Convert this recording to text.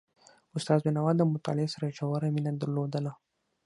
استاد بينوا د مطالعې سره ژوره مینه درلودله.